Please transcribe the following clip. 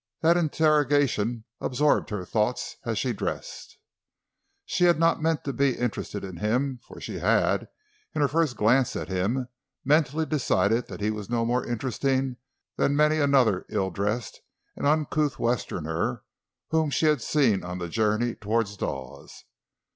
That interrogation absorbed her thoughts as she dressed. She had not meant to be interested in him, for she had, in her first glance at him, mentally decided that he was no more interesting than many another ill dressed and uncouth westerner whom she had seen on the journey toward Dawes.